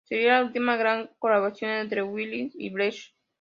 Sería la última gran colaboración entre Weill y Brecht.